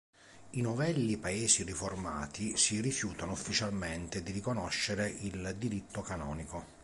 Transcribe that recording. I novelli paesi riformati si rifiutarono ufficialmente di riconoscere il diritto canonico.